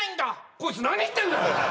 こいつ何言ってんだ！